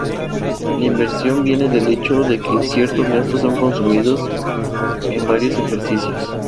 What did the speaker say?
La inversión viene del hecho de que ciertos gastos son consumidos en varios ejercicios.